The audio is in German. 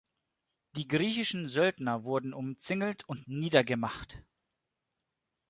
Die griechischen Söldner wurden umzingelt und niedergemacht.